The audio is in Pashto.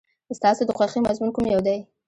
ستاسو د خوښې مضمون کوم یو دی؟